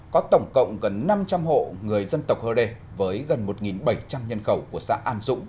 có tổng cộng gần năm trăm linh hộ người dân tộc hơ rê với gần một bảy trăm linh nhân khẩu của xã an dũng